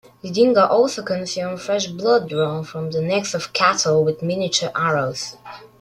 Didinga also consume fresh blood drawn from the necks of cattle with miniature arrows.